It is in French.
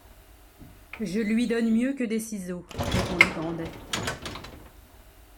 Je lui donne mieux que des ciseaux, répondit Grandet.